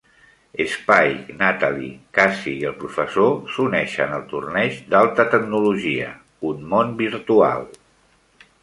Spike, Natalie, Casi i el professor s'uneixen al Torneig d'Alta Tecnologia, un món virtual.